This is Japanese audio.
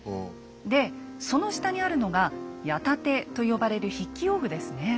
でその下にあるのが「矢立て」と呼ばれる筆記用具ですね。